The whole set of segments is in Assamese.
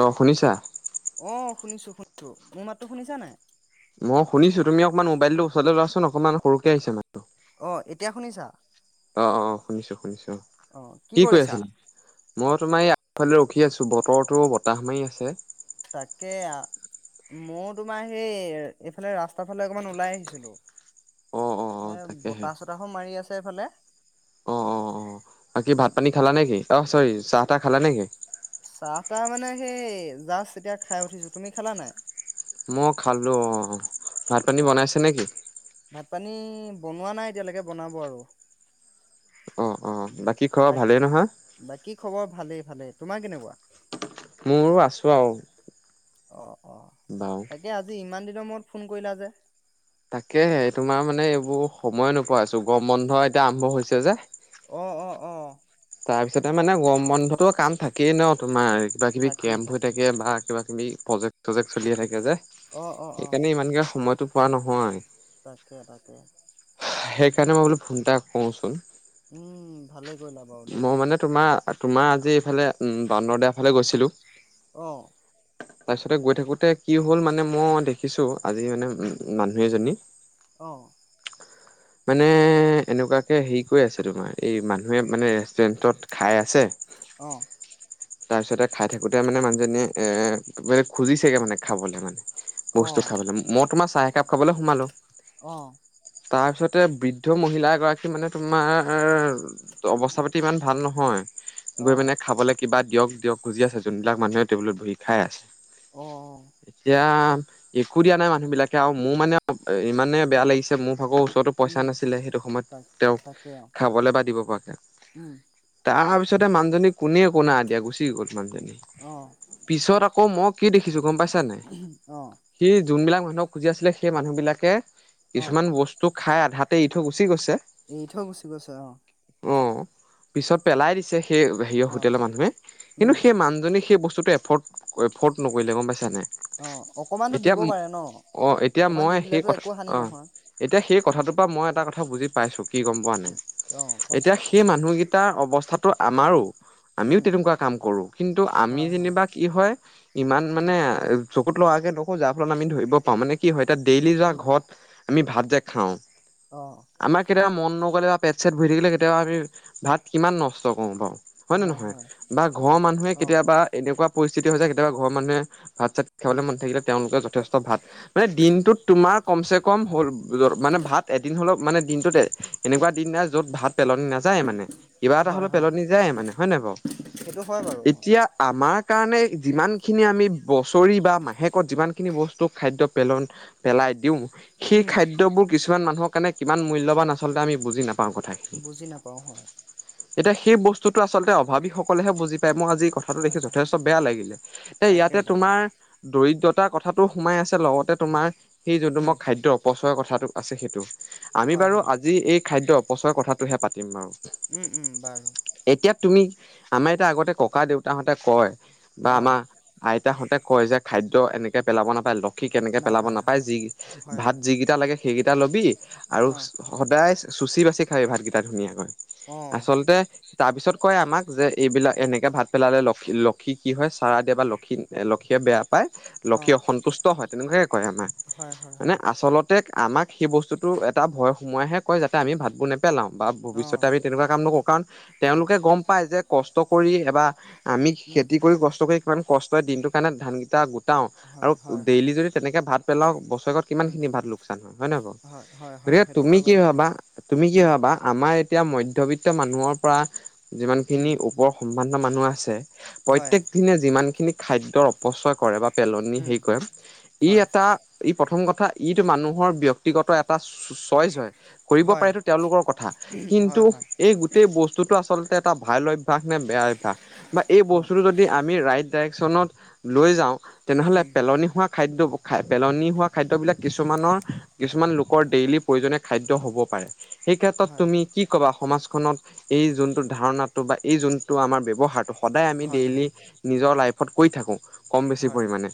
অ', শুনিছা? অ', শুনিছো, শুনিছো, মোৰ মাতো শুনিছা নাই? মই শুনিছো, তুমি অকমান মোবাইলটো ওচলৈ লোৱাচ অকমান সৰুকে আহি মটো অ', এতিয়া শুনিছা? অ', অ', অ', শুনিছো, শুনিছো, অ', কি কৰি কৰিছা? আছিলা? মই তোমাৰ এই আগফালে ৰখি আছো, বতৰৰতো বতাহ মাৰি আছে তাকে, মই তোমাৰ সেই, এইফালে ৰাস্তাৰ ফালে অকমান ওলাই আহিছিলো অ অ অ এ, তাকেহে বতাহ চতাহাহো মাৰি আছে এইফালে অ, অ, কি ভাত পানী খালা নেকি অ চৰি চাহ তাহ খালা নেকি? চাহ তাহ মানে সেই জাষ্ট এতিয়া খাই উঠিছোঁ, তুমি খালা নাই? মই, খালো অ', ভাত পানী অ', বনাইছে নেকি ভাত পানী বনোৱা নাই এতিয়ালৈকে, বনাব আৰু অ অ', বাকী খবৰ বাক ভালেই নহয়? বাকী, খবৰ ভালেই ভালেই তোমাৰ কেনেকুৱা মোৰো আছো আৰু বাৰু এ, আজি ইমান দিনৰ মূৰত ফোন কৰিলা যে তাকে, তোমাৰ মানে এইবোৰ সময় নোপোৱা আছো গম বন্ধ এতিয়া আৰম্ভ হৈছে যে অ', অ', - তাৰপিছতে, মানে গৰম বন্ধতো কাম থাকেই ন তোমাৰ কিবা কিবি থাকেই কেম্প হৈ থাকেই থাকে, বা কিবা কিবি প্ৰজেক্ট চজেক্ট চলিয়ে থাকে যে অ', অ', অ', সেইকাৰণে ইমানকে সময়তটো পোৱা নহয় তাকে, তাকে, সেইকাৰণে, মই বোলো ফোন এটা কওঁচোন উম, ভালে কৰিলা বাৰু দেই মানে তোমাৰ, তোমাৰ আজি এইফালে উম ব্দৰদেিয় ফালে গৈছিলো অ তাৰপিছতে গৈ থাকোতে, কি হল মানে মই দে দেখিছো, আজি মানে উম উ মানুহ এজনী অ মানে, এনেকুৱাকে হেৰি কৰি আছে তোমাৰ এই মানুহে মানে ৰেষ্টুৰেণ্টত খাই আছে অ', তাৰপিছতে, খাই থাকোতে মানে মানুহজনীয়ে এ বেলে খুজিছেগে মানে খাবলে মানে অ বস্তু খাবলৈ, মই তোমাৰ চাহ একাপ খাবলৈ সোমালো অ', তাৰপিছতে, বৃদ্ধ মহিলা এ গৰাকী মানে তোমাৰ অৱস্থা পাতি ইমান ভাল নহয়, অ গৈ পাননে খাবলৈ কিবা, দিয়ক দিয়ক গুজি আছে যোনবিলাক মানুহে টেবুলত বহি খাই আছে অ এতিয়া একো দিয়া নাই, মানুহ বিলাকে আৰু মোৰ মানে ইমানে বেয়া লাগিছে মোৰ ভা ত'তো পইচা উম নাছিলে, সেইটো সময়ত তাক তেওঁক তাকে অ খাবলৈ বা দিব প উম, তাৰপিছতে মানুহজনী কোনে কোনা এ দিয়া গুচি গ'ল মানুহজনী অ', পিছত আকৌ, মই কি দেখিছো গম পাইছানে অ সি যোনবিলাক মানুহক খুজি আছিলে সেই মানুহ বিিলাকে অ কিছুমান বস্তু তোৰ খাই আধাতে এৰি থৈ গুচি গৈছে। এৰি থৈ গুচি গৈছে অ। উম, পিছত পেলাই দিছে সেই হেৰিঅ অ হোটেলৰ মানুহে কিন্তু উম সেই মানুহজনী সেই বস্তুটো এফৰ্ড এফৰ্দ নকৰিলে গম পাইছা নাই? অ অকমানতো এতিয়া দিব ম পাৰে ন অ এতিয়া অকমান দি মই সেই দিলেতো কথা একো হানি অ নহয় এতিয়া সেই উম কথাটোৰ পৰা মই এটা কথা বুজি পাইছো কি গম পোৱা নাই? উম অ এতিয়া কোৱাচোন সেই মানুহগিটাৰ অৱস্থাটো আমাৰো আমিও উম তেনেকুৱা কাম কৰো কিন্তু আমি হয় হয় যেনিবা কি হয় ইমান উম মানে চকুত লগাকে দেখো যাৰ ফলত আমি ধৰিব পাওঁ মানে কি হয় এতিয়া ডেইলি যোৱা উম ঘৰত আমি ভাত যে খাওঁ অ। আমাৰ কেতিয়াবা মন নগ'লে বা পেট-চেট ভৰি থাকিলে কেতিয়াবা আমি ভাত কিমান নষ্ট কৰো বাও। হয় নে নহয় বা ঘৰৰ সেই মানুহে অ কেতিয়াবা এনেকুৱা পৰিস্থিতি হৈ যায় কেতিয়াবা ঘৰৰ মানুহে ভাত-চাত উম খাবলে মন নাথাকিলে তেওঁলোকে যথেষ্ট ভাত মানে দিনটোত তোমাৰ কমচে কম হ মানে ভাত এদিন হ'লেও মানে দিনটোত এনেকুৱা দিন নাই য'ত ভাত পেলনি নাযায় মানে কিবা এটা হয় হ'লেও হয় পেলনি যায় মানে হয়ে নাই বাৰু? সেইটো হয় বাৰু এ এতিয়া আমাৰ কাৰণে যিমানখিনি আমি বছৰি বা মাহেকত যিমানখিনি বস্তু খাদ্য পেলন পেলাই দিও সেই উম খাদ্যবোৰ কিছুমান মানুহৰ কাৰণে কিমান মূল্যৱান আচলতে আমি বুজি নাপাও কথা বুজি নাপাও হয়। এতিয়া সেই বস্তুটো আচলতে অভাৱীসকলেহে বুজি পায় মই আজি কথা কথাটো হয় দেখি হয় যথেষ্ট বেয়া লাগিলে। এ তাকে ইয়াতে তাকে তোমাৰ দৰিদ্ৰতাৰ কথাটোও সোমাই আছে লগতে তোমাৰ সেই যোনটো উম মই খাদ্য অপচয়ৰ কথাটো আছে সেইটো আমি হয় বাৰু হয় আজি এই খাদ্য অপচয়ৰ কথাটোহে পাতিম বাৰু। উম উম বাৰু এতিয়া তুমি আমাৰ এতিয়া আগতে ককা-দেউতাহঁতে কয় বা অঁ আমাৰ আইতাহঁতে কয় যে খাদ্য এনেকে পেলাব নাপায় ল লক্ষীক এনেকে পেলাব নাপায় যি হয় ভাত হয় যিগিটা লাগে সেইগিটা ল'বি আৰু অঁ সদায় চুচি বাচি খাবি ভাতগিটা ধুনীয়াকৈ অঁ আচলতে তাৰপিছত কয় আমাক যে এইবিলাক এনেকে ভাত পেলালে লক্ষী লক্ষী কি হয় চাৰা দিয়ে বা লক্ষী লক্ষীয়ে বেয়া পায় লক্ষী অঁ অসন্তুষ্ট হয় তেনেকুৱাকে কয় আমাক হয় হয় মানে হয় আচলত তে আমাক সেই বস্তুটো এটা ভয় সোমোৱাইহে কয় যাতে আমি ভাতবোৰ নেপেলাওঁ বা অঁ ভৱিষ্যতে আমি তেনেকুৱা কাম নকৰো কাৰণ হয় তেওঁলোকে গম পায় যে কষ্ট কৰি এবা আমি উম খেতি কৰি কষ্ট কৰি কিমান কষ্টৰে দিনটোৰ কাৰণে ধানগিটা গো টাও হয় আৰু হয় হয় ডেইলি যদি তেনেকে ভাত পেলাওঁ বছেৰেকত উম কিমানখিনি ভাত লোকচান হয় হয়নে বাও? হয় হয় হয় গতিকে সেইটো তুমি হয় কি বাৰু ভবা তুমি কি উম ভবা আমাৰ এতিয়া মধ্যবিত্ত মানুহৰ পৰা যিমানখিনি উম ওপৰ সম্ভ্ৰান্ত মানুহ আছে হয় প্ৰত্যেক দিনে যিমানখিনি খাদ্যৰ অপচয় কৰে বা পেলনি উম হেৰি কৰে ই হয় এটা ই প্ৰথম কথা ইটো মানুহৰ ব্যক্তিগত এটা এটা চইচ হয় কৰিব হয় পাৰেটো তেওঁলোকৰ কথা কিন্তু হয় হয় এই গোটেই বস্তুটো আচলতে এটা ভাল অভ্যাস নে বেয়া অভ্যাস বা এই অঁ বস্তুটো যদি যদি আমি ৰাইট ডাইৰেকশ্বনত লৈ যাওঁ তেনেহ'লে উম পেলনি হোৱা খাদ্য খা পেলনি হোৱা খাদ্যবিলাক কিছুমানৰ কিছুমান লোকৰ ডেইলি প্ৰয়োজনীয় খাদ্য হ'ব পাৰে। সেইকাৰণে হয় তুমি কি ক'বা সমাজখনত এই যোনটো ধাৰণাটো বা এই যোনটো আমাৰ ব্যৱহাৰটো? সদায় আমি হয় ডেইলি হয় নিজৰ লাইফত কৰি থাকো কম-বেছি হয় পৰিমাণে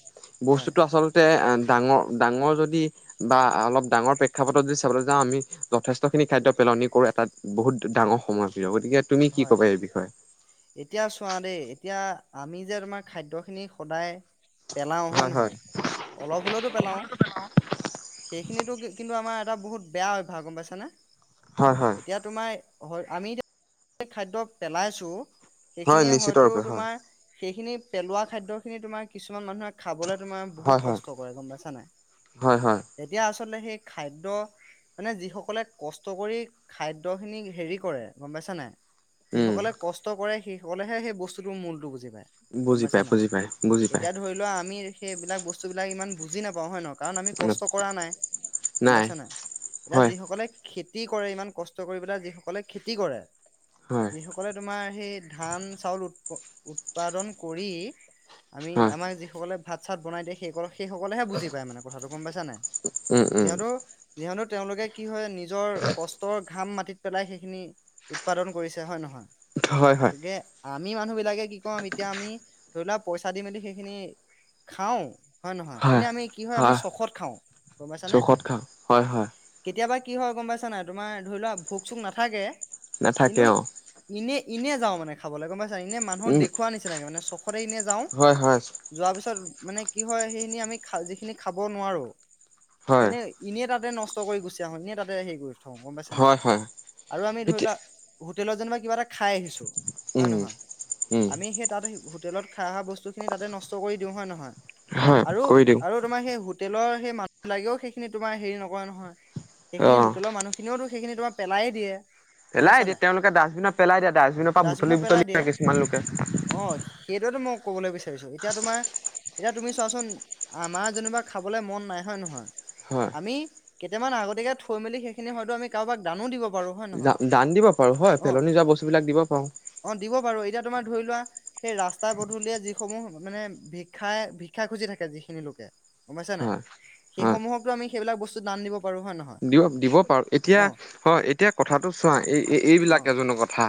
হয় বস্তুটো আচল তে ডাঙৰ ডাঙৰ যদি বা অলপ ডাঙৰ প্ৰেক্ষাপটত যদি চাবলে যাওঁ আমি যথেষ্টখিনি খাদ্য পেলনি কৰোঁ, এটা বহুত ডাঙৰ সমস্যা গতিকে তুমি কি হয় ক'বা এই বিষয়ে? এতিয়া চোৱা দেই এতিয়া আমি যে তোমাৰ খাদ্যখিনি সদায় পেলাওঁ হয় নহয়, অলপ হ'লেতো পেলাওঁ। সেইখিনিতো কিন্তু আমাৰ এটা বহুত বেয়া হয় ভ, গম পাইছানে। হয় হয়। এতিয়া তোমাৰ হয়, আমি এতিয়া খাদ্য পেলাইছোঁ। হয় সেইখিনিয়ে নিশ্চিত হয়তো ৰূপে হয় তোমাৰ সেইখিনি পেলোৱা খাদ্য খিনি তোমাৰ কিছুমান মানুহে। খাব'লে তোমাৰ হয় বহুত হয় কষ্ট কৰে গম হয় হয় পাইছানাই এতিয়া আচলতে সেই খাদ্য। মানে যি সকলে কষ্ট কৰি খাদ্য খিনি হেৰি কৰে, গম পাইছ নাই। উম যিসকলে কষ্ট কৰে সেইসকলেহে সেই বস্তুটোৰ মূলতটো বুজি পায়। গম, বুজি পাই পাইছা বুজি পাই বুজি নাই পাই এতিয়া ধৰি লোৱা আমি সেইবিলাক বস্তু বিলাক ইমান বুজি নাপাও হয় ন। কাৰণ আমি কষ্ট কৰা নাই গম পাইছ নাই, এতিয়া হয় যিসকলে। খেতি কৰে ইমান কষ্ট কৰি পেলাই যি সকলে খেতি কৰে। হয়। য সকলে তোমাৰ সেই ধান চাউল উৎপাদন কৰি। আমি হয় আমাক যিসকলে ভাত চাত বনাই দিয়ে সেইসকল সেই সকলেহে বুজি পায় মানে কথাটো গম পাইছা নাই উম উম যিহেতু যিহেতু তেওঁলোকে কি হয়। নিজৰ কষ্টৰ ঘাম মাটিত পেলাই সেইখিনি উৎপাদন কৰিছে হয় নহয়। হয় হয়। গতিকে আমি মানুহ বিলাকে কি কম এতিয়া আমি। ধৰি লোৱা পইচা দি মেলি সেইখিনি খাওঁ। হয় নহয় এনে আমি কি হয় আমি চখত খাওঁ গমাইছানে। চৌখত খাওঁ হয় হয় কেতিয়াবা কি হয় গম পাইছা নাই তোমাৰ ধৰি লোৱা ভোক চোক নাথাকে নাথাকে কিন্তু অ এনেই। এনে যাওঁ মানে খাবলৈ গম পাইছা এনে মানুক উম দেখওৱা নিচিনাক মানে চখটৈ ই এনে যাওঁ। হয় হয় যোৱাৰ পিছত মানে কি হয় সেইখিনি আমি যিখিনি খাব নোৱাৰো হয় এনেই। এনেই তাতে নষ্ট কৰি গুচি আহো, এনে তাতে হেৰি কৰি থাকো গম পাইছা নাই, হয় হয় আৰু আমি ধৰি এতিয়া লোৱা। হোটেলত যেনিবা কিবা এটা খাই আহিছো হয় উম নহয় উম আমি সেই তাত। হোটেলত খাই অহা বস্তুখিনি তাতে নষ্ট কৰি দিওঁ হয় নহয় হয় আৰু কৰি দিওঁ আৰু। তোমাৰ সেই হোটেলৰ সেই মানুহ লাগেও সেইখি তোমাৰ হেৰি নক নহয় অ সেইখিনি হোটেলৰ মানুহিনি সিনিওো সেইখিনিও টো পেলাই দিয়ে। গম পেলাই পাইছা দিয়ে নাই তেওঁলোকে ডাষ্টবিনত পেলাই দিয়া ডাষ্টবিনৰ পৰা বুটলি ডাষ্টবিনত বুটলি পেলাই দিয়ে লয় কিছুমান লোকে। অ, সেইটোয়েতো মই ক'বলৈ বিচাৰিছো এতিয়া তোমাৰ। এতিয়া তুমি চোৱাচোন আমাৰ যেনোিবা খাবলৈ মন নাই হয় নহয়। হয় আমি কেইটামান আগতিকে থৈ মেলি সেইখিনি হয়তো আমি কাৰোবাক দানো দিব পা দান দিব পাৰো হয়, পেলনি যোৱা বস্তুবিলাক দিব পাৰো। অ, দিব বাৰু এতিয়া তোমাৰ ধৰি লোৱা। সেই ৰাস্তা পধূলিয় যিসমূহ মানে ভিক্ষাই ভিক্ষা খুজি থাকে যিখিনি লোকে। গম পাইছা নে নাই হয় হয় সেইসমূহকো আমি সেইবিলাক বস্তু দান দিব পাৰো হয় নহয় দিব দিব পাৰো, এতিয়া অ' হয় এতিয়া কথাটো চোৱা এই এইবিলাক অ' এজনো কথা।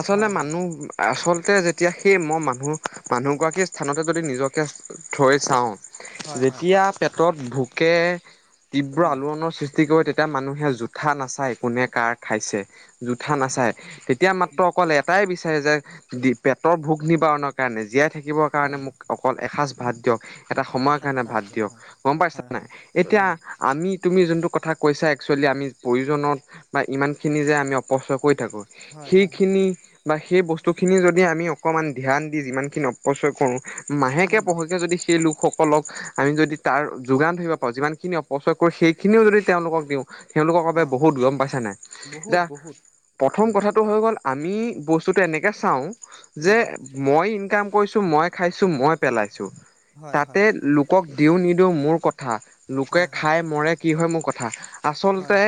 আচলতে হয় হয় মানুহ আচলতে যেতিয়া সেই মই মানুহ মানুহগৰাকীৰ স্থানতে যদি নিজকে থৈ চাওঁ। হয় হয় যেতিয়া পেটত ভোকে তীব্ৰ উম আলোৱনৰ সৃষ্টি ক, তেতিয়া মানুহে জোঠা নাচায় কোনে কাৰ খাইছে। জোঠা হয় হয় নাচায়, তেতিয়া মাত্ৰ উম অকল এটাই। এটাই বিচাৰে যে দি পেটৰ ভোক নিবাৰণৰ কাৰণে জীয়াই থাকিবৰ কাৰণে হয় মোক। অকল এসাঁজ ভাত দিয়ক। এটা সময়ৰ এসাত কাৰণে ভাঁজ ভাত দিয়ক হয় গম পাইছা হয় নাই হয় এতিয়া অ' আমি তুমি যোনটো কথা। কথা কৈছে একচৱেলি আমি প্ৰয়োজনত বা ইমানখিনি যে আমি। কছট কৰি থাকো হয় হয় সেইখিনি। বা সেই বস্তুখিনি যদি আমি অকমান ধ্যান দি যিমানখিনি অপচয় কৰো। মাহেকে উম পহেকে যদি সেই লোকসকলক। আমি যদি তাৰ যোগান ধৰিব পাৰো, যিমানখিনি অপচয় কৰোঁ সেইখিনিও যদি তেওঁলোকক দিওঁ। তেওঁলোকৰ বাবে অ বহুত গ'ম পাইছে নাই, বহুত এতিয়া বহুত প্ৰথম উম কথা টো হয় গ'ল, আমি বস্তুটো এনেকে চাওঁ, যে অ মই ইনকাম কৰিছোঁ মই খাইছো মই পেলাইছো, হয় তাতে হয় লোকক দিওঁ নিদিওঁ মোৰ কথা। লোকে হয় হয় খাই মৰে কি হয় মোৰ কথা। হয় আচলতে,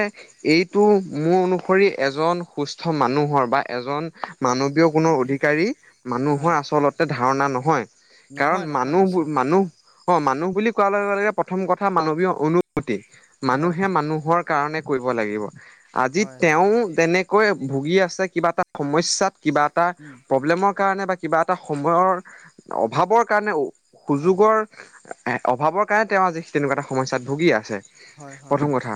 এইটো মোৰ অনুসৰি এজন সুস্থ মানুহৰ বা এজন। হয় মানৱীয় কোনো অধিকাৰী মানুহৰ হয় আচলতে ধাৰণা নহয়। কাৰণ নহয় নহয় মানুহবোৰ নিশ্চয় মানুহ অ' মানুহ বুলি কোৱাৰ লগে লগে প্ৰথম কথা মানৱীয় অনুভূতি হয় মানুহে হয় মানুহৰ। কাৰণে কৰিব লাগিব, আজি হয় হয় তেওঁ তেনেকৈ ভুগি আছে কিবা এটা সমস্যাত। কিবা এটা উম প্ৰব্লেমৰ কাৰণে বা কিবা এটা সময়ৰ অভাৱৰ কাৰণে। হয় সুযোগৰ অভাৱৰ কাৰণে তেওঁ আজি তেনেকুৱা এটা সমস্যয়াটো ভুগি আছে। হয় হয় প্ৰথম কথা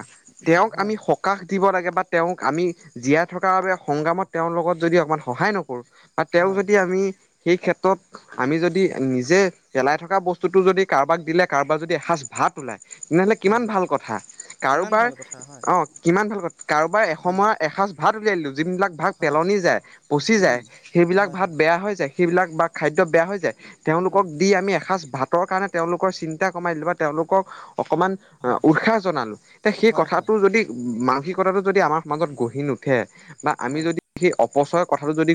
তেওঁক হয় আমি সকাহ দিব লাগে বা তেওঁক আমি জীয়াই থকাৰ বাবে সংগ্ৰামত। তেওঁৰ লগত যদি অকমান সহায় নকৰোঁ বা তেওঁ হয় যদি আমি সেই ক্ষেত্ৰত। আমি যদি নিজে পেলাই থকা বস্তুতটো যদি কাৰোবাক দিলে কাৰোবাক যদি এসাঁজ ভাত। ওলায়, তেনে হ'লে কিমান হয় ভাল কথা কিমান কাৰোবাৰ। ভাল কথা হয় অ' কিমান ভাল ক কাৰোবাৰ উম এসময়ৰ এসাঁজ ভাত উলিয়াই দিলো। যোনবিলাক ভাগ হয় পেলনি যায়। পচি যায়, উম সেইবিলাক হয় ভাত বেয়া। হয় বেয়া হৈ যায় সেই বিলাক খাদ্য বা বেয়া হৈ যায়, তেওঁ উম লোকক দি আমি এখাজ ভাত। কাৰণে তেওঁলোকৰ চিন্তা কমাই দিলোঁ বা তেওঁলোকক অকণমান হয় উৎসাহ। জনালো তে সেই হয় হয় কথাটো যদি মানসিকতাটো যদি আমাৰ মাজত গঢ়ি নুঠে। বা আমি হয় যদি সেই অপচয়ৰ কথাটো যদি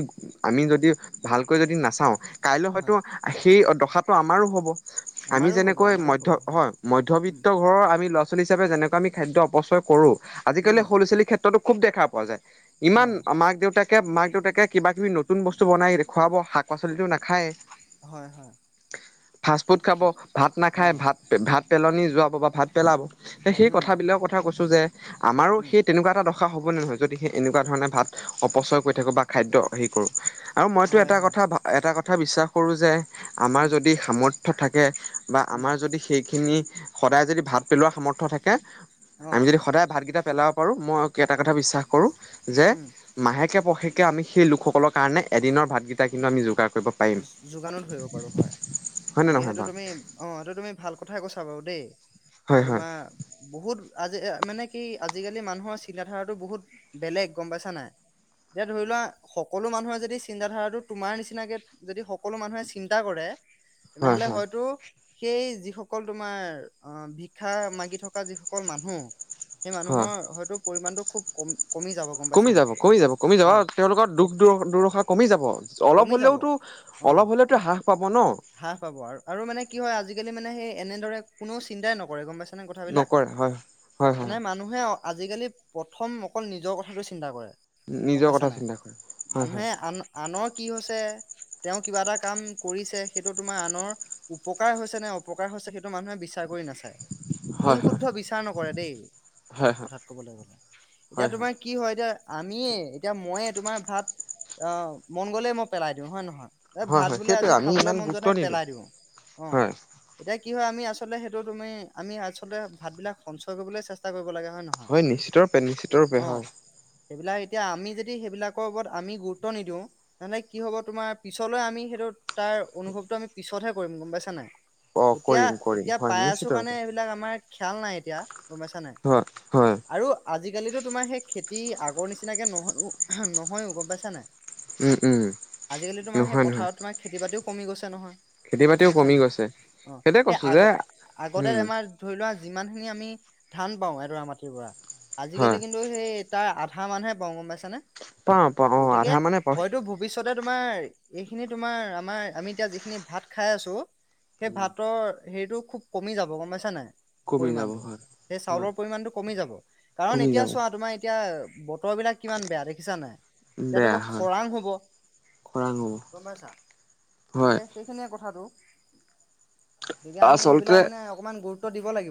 আমি যদি। ভালকৈ যদি নাচাওঁ, কাইলৈ হয়তো হয় সেই দশাটো আমাৰো হ'ব। আমি আমাৰো হ'ব যেনেকৈ আমাৰো মধ্য হ'ব হয় উম মধ্যয়বিত্ত ঘৰৰ আমি ল ল'ৰা ছোৱালী হিচাপে যেনেকা আমি খাদ্য অপচয় কৰো, আজিকালি উম সৰু ল'ৰা ছোৱালীৰ ক্ষেত্ৰতো সুব দেখা পোৱা যায়। অ ইমান মাক দেউতাক কে মাক দেউতাকে কিবা কিবি নতুন বস্তু বনাই খোৱাব শাক পাচলিটো নাখায়। হয় হয় ফাৰ্ষ্ট সি ফুড খাব, সি ভাত অ নাখাই, ভাত, ভাত পেলনি যোৱাব বা ভাত পেলাব তে সেই উম কথাবিলাকৰ কথা কৈছো যে আমাৰো উম সেই তেনেকুৱা এটা দখা ৰ হ'ব নে নহয় যদি সেই এনেকুৱা ধৰণে ভাত অপচয় কৰি থাকোঁ বা খাদ্য হেৰি কৰোঁ। আৰু মইতো হয় এটা হয় কথা এটা কথা বিশ্বাস কৰোঁ যে আমাৰ উম যদি সামৰ্থ্য থাকে। বা উম আমাৰ যদি সেইখিনি সদায় যদি ভাত পেলোৱা সামৰ্থ থাকে। অ আমি যদি সদায় ভাতকেইটা পেলাব পাৰোঁ। মই এটা কথা উম বিশ্বাস কৰোঁ যে উম মাহেকে পশেকে আমি সেই লোকসকলৰ কাৰণে এদিনৰ ভাতকেইটা কিন্তু আমি যোগাৰ কৰোঁ যোগানো ধৰিব পাৰোঁ হয়। হয় নে গতিকে, নহয় সেইটো বাৰু তুমি। অ' এইটো তুমি ভাল কথাই কৈছা বাৰু দেই হয় এই হয় তোমাৰ। বহুত আজি মানে কি আজিকালি মানুহৰ চিল ধাৰাটো বহুত বেলেগ গ'ম পাইছা নাই। এতিয়া ধৰি লোৱা সকলো মানুহৰ যদি চিন্তাধাৰাটো তোমাৰ নিচিনাকে। যদি সকলো মানুহে চিন্তা কৰে, তেনে হয় হ'লে হয় হয়তো। সেই যিসকল তোমাৰ আহ ভিক্ষা মাগি থকা যিসকল মানুহ। সেই হয় মানুহৰ হয়তো পৰিমাণটো খুব কম কমি যাব। গম পাইছা কমি নাই যাব, কমি যাব, কমি যাব। অ তেওঁলোকৰ দুখ দুুৰশা কমি যাব, কমি অলপ যাব হলেওতো। অ অলপ হ'লেওতো হ্ৰাহ পাব ন। হ্ৰাস পাব আৰু মানে কি হয় আজিকালি মানে সেই এনেদৰে কোনো চিন্তাই নকৰে গ'ম পাইছানে। কথাবিলাক নকৰে হয় হয় মানে হয় মান মানুহে আজিকালি প্ৰথম অকল নিজৰ কথাটো চিন্তা কৰে। গ'ম নিজৰ কথা পাইছানে নাই চিন্তা কৰে হয় মানুহে আন আনৰ কি হৈছে, তেওঁ কিবা এটা কাম কৰিছে। সেইটো তোমাৰ আনৰ উপকাৰ হৈছে নে অপকাৰ হৈছে সেইটো মানুহে বিচাৰ কৰি নাচায়। ভুল হয় শুদ্ধ বিচাৰ নকৰে দেই হয় হয় হয় এক কথাত ক'বলৈ গ'লে এতিয়া হয় হয় তোমাৰ। কি হয় এতিয়া আমিয়ে এতিয়া মইয়ে তোমাৰ ভাত। অ' মন গ'লেই মই পেলাই দিওঁ হয়ে নহয় এই হয় ভাত হয় বোলে সেইটোৱে আজি আমি খাবলে ইমান মন যোৱা গুৰুত্ব নাই নিদিওঁ পেলাই দিওঁ, অ'। হয় এতিয়া কি হয় আমি আচলতে সেইটো তুমি আমি আচলতে ভাত বিলাক সঞ্চয় কৰিবলৈ চেষ্টা কৰিব লাগে হয় নহয়। হয় নিশ্চিত ৰূপে নিশ্চিত ৰূপে অ', হয়। সেইবিলাক এতিয়া আমি যদি সেইবিলাকৰ ওপৰত আমি গুৰুত্ব নিদিওঁ নানে কি হ'ব তোমাৰ পিছলৈ আমি সেইটো তাৰ অনুভৱটো আমি পিছতহে কৰিম গম পাইছা নাই। অ এতিয়া কৰিম কৰিম এতিয়া হয় পাই নিশ্চিত আছো কাৰণে ৰূপে এইবিলাক আমাৰ খেয়াল নাই এতিয়া গমাইছা নাই। হয় হয়। আৰু আজিকালিতো তোমাৰ সেই খেতি আগৰ নিচিনাকে নহয়ো-নহয়ো গম পাইছা নাই। উম উম আজিকালি তোমাৰ সেই নহয় নহয় পথাৰত তোমাৰ খেতি বাতিও কমি গৈছে খেতি নহয়। বাতিও গমাইছা কমি গৈছে নাই অ' সেইটোৱে সেই কৈছো যে আগ-আগতে উম আমাৰ ধৰি লোৱা যিমানখিনি আমি ধান পাওঁ এডৰা মাটিৰ পৰা হয় আজিকালি কিন্তু লো হেই তাৰ আধামান হে পাওঁ গম পইচা নে? পাওঁ পাওঁ অ গতিকে আধা মানে পাওঁ হয়তো ভূ ভৱিষ্যতে তোমাৰ এইখিনি তোমাৰ আমাৰ আমি এতিয়া যি খিনি ভাত খাই আছো সেই ভাতৰ হেৰিতটো খুব কমি যাব গম পাইছা নাই। কমি যাব পৰিমাণটো হয়। সেই হয় চাউলৰ পৰিমাণটো কমি যাব। কাৰণ কমি এতিয়া যাব চোৱা তোমাৰ এতিয়া বতৰ বিলাক কিমান বেয়া দেখিছা নাই। ইতিয়াতো বেয়া বা হয় খৰাং হ'ব। খৰাং গম পাইছা হ'ব গতিকে হয়। সেইখিনিয়ে কথাতটো, গতিকে আমি আচলতে সেইবিলাক মানে অকমান গুৰুত্ব দিব লাগিব।